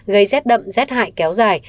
gây rét đậm rét hại kéo dài